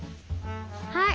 はい。